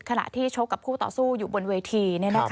ขณะที่ชกกับคู่ต่อสู้อยู่บนเวที